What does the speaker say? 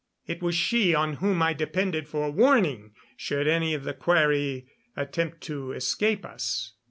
It was she on whom I depended for warning should any of the quarry attempt to escape us.